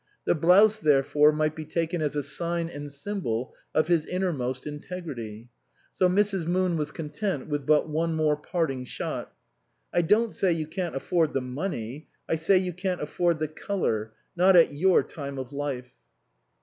The blouse therefore might be taken as a sign and symbol of his innermost integrity. So Mrs. Moon was content with but one more parting shot. "I don't say you can't afford the money, I say you can't afford the colour not at your time of life."